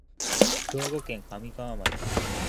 兵庫県神河町